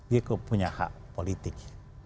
dia punya hak politik